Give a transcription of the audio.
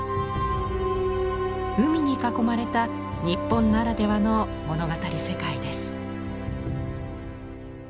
海に囲まれた日本ならではの物語世界です。